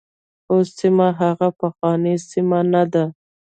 خو سیمه هغه پخوانۍ سیمه نه ده.